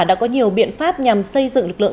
đã có nhiều biện pháp nhằm xây dựng lực lượng